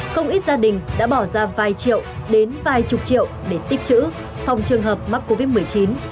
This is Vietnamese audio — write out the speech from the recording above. không ít gia đình đã bỏ ra vài triệu đến vài chục triệu để tích chữ phòng trường hợp mắc covid một mươi chín